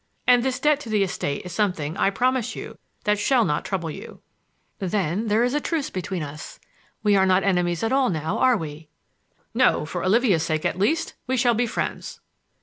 And this debt to the estate is something, I promise you, that shall not trouble you." "Then there's a truce between us! We are not enemies at all now, are we?" "No; for Olivia's sake, at least, we shall be friends."